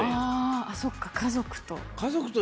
ああそっか家族と。